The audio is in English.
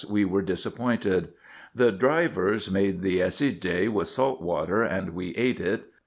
we were disappointed. The drivers made the accide with salt water, and we eat it.